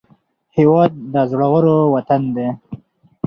هېواد د زړورو وطن دی